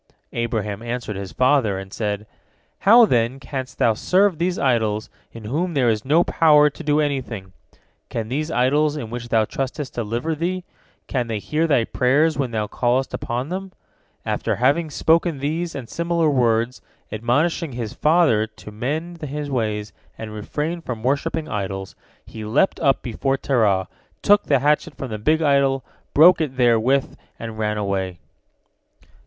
Abraham answered his father, and said: "How, then, canst thou serve these idols in whom there is no power to do anything? Can these idols in which thou trustest deliver thee? Can they hear thy prayers when thou callest upon them?" After having spoken these and similar words, admonishing his father to mend his ways and refrain from worshipping idols, he leapt up before Terah, took the hatchet from the big idol, broke it therewith, and ran away.